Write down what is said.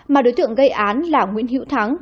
mà đối tượng gây án là nguyễn hữu thắng